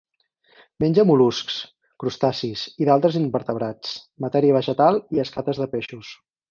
Menja mol·luscs, crustacis i d'altres invertebrats, matèria vegetal i escates de peixos.